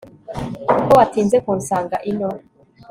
ko watinze kunsanga ino